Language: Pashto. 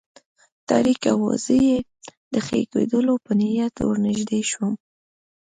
تاریکه وه، زه یې د ښکلېدو په نیت ور نږدې شوم.